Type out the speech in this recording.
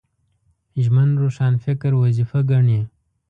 ژمن روښانفکر وظیفه ګڼي